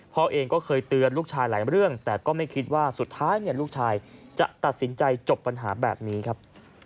พ่อเองก็เคยเตือนลูกชายหลายเรื่องแต่ก็ไม่คิดว่าสุดท้ายลูกชายจะตัดสินใจจบปัญหาแบบนี้ครับ